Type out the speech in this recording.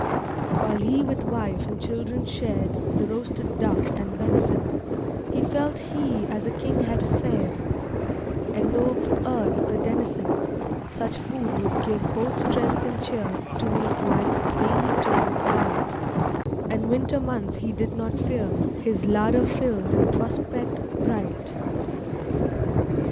While he with wife and children shared The roasted duck and venison, He felt he as a king had fared; And though of earth a denizen, Such food would give both strength and cheer To meet lifes daily toil aright, And winter months he did not fear, His larder filled, and prospect bright.